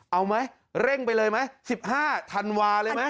เอาไหมเร่งไปเลยไหม๑๕ธันวาเลยไหม